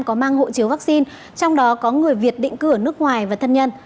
có mang hộ chiếu vaccine trong đó có người việt định cư ở nước ngoài và thân nhân